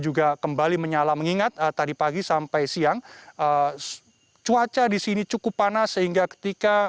juga kembali menyala mengingat tadi pagi sampai siang cuaca di sini cukup panas sehingga ketika